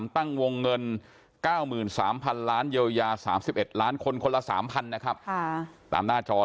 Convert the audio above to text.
ทั้งหมดนี้มีการคืนไกนกัดเต็มที่ของรัฐบาลอันทรักษาบทรกฮอล์